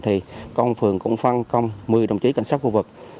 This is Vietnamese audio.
thì công an phường cũng phân công một mươi đồng chí cảnh sát khu vực